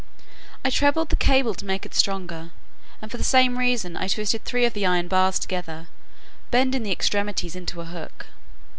I trebled the cable to make it stronger, and for the same reason I twisted three of the iron bars together, bending the extremities into a hook.